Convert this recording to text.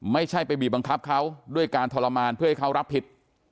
ไม่ใช่ไปบีบบังคับเขาด้วยการทรมานเพื่อให้เขารับผิด